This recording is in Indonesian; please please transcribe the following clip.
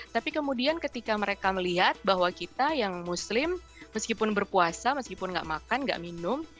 tapi kemudian ketika mereka melihat bahwa kita yang muslim meskipun berpuasa meskipun nggak makan nggak minum